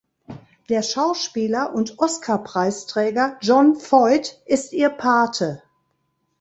Der Schauspieler und Oscar-Preisträger Jon Voight ist ihr Pate.